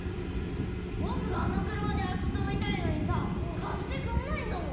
僕があの車で遊びたいのにさ貸してくんないんだもん。